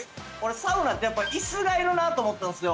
サウナって、いすがいるなと思ったんですよ。